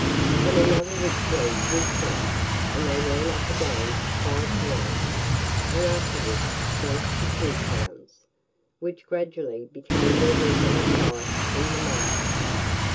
Then another rich lead was struck, and they ran up again to five pounds, and afterwards sank to two pounds, which gradually became their regular price in the market.